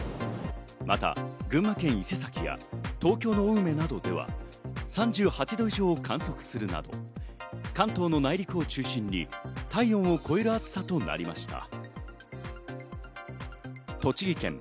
また群馬県伊勢崎や東京の青梅などでは３８度以上を観測するなど関東の内陸を中心に体温を超える暑さとなりました。